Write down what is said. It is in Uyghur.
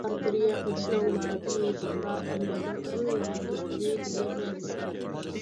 ئارتېرىيە قېتىشنىڭ لاتىن يېزىقىدا« ئەرلەرنىڭ ئەڭ يامان دۈشمىنى» دېگەن مەنىسى بار.